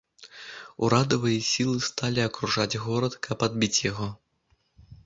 Урадавыя сілы сталі акружаць горад, каб адбіць яго.